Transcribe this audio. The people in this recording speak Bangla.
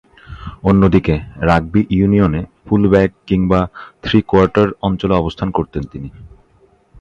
অন্যদিকে, রাগবি ইউনিয়নে ফুল ব্যাক কিংবা থ্রি কোয়ার্টার অঞ্চলে অবস্থান করতেন তিনি।